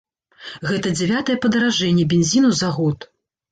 Гэта дзявятае падаражэнне бензіну за год.